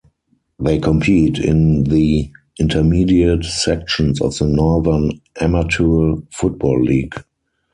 They compete in the intermediate sections of the Northern Amateur Football League.